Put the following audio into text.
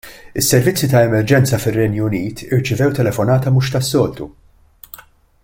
Is-servizzi ta' emerġenza fir-Renju Unit irċivew telefonata mhux tas-soltu.